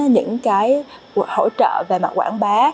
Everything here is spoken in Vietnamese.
những cái hỗ trợ về mặt quảng bá